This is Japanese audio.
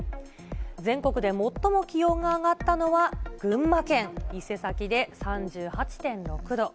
全国で最も気温が上がったのは、群馬県伊勢崎で３８．６度。